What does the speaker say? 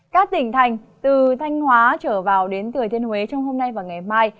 các tỉnh thành từ thanh hóa trở vào đến thừa thiên huế trong hôm nay và ngày mai